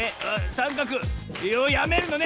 さんかくやめるのね。